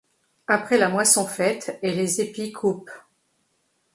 Après la moisson faite et les épis coupes